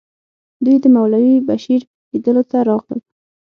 دوی د مولوي بشیر لیدلو ته راغلل.